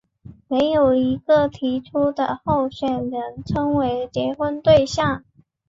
没有一个提出的候选人称为结婚对象。